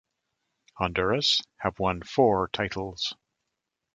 Honduras have won four titles.